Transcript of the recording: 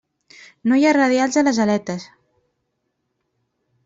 No hi ha radials a les aletes.